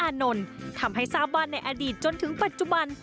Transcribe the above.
นนท์ทำให้ทราบว่าในอดีตจนถึงปัจจุบัน